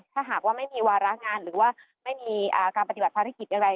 ถ้าหากว่าไม่มีวาระงานหรือว่าไม่มีการปฏิบัติภารกิจอย่างไร